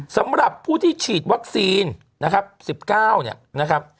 สำหรับผู้ที่ฉีดวัคซีนนะครับ๑๙เนี่ยนะครับ